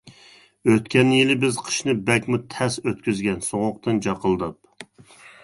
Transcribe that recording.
ئۆتكەن يىل بىز قىشنى بەكمۇ تەس، ئۆتكۈزگەن سوغۇقتىن جاقىلداپ.